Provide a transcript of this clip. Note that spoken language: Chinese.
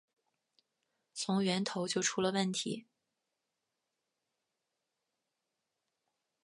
从源头就出了问题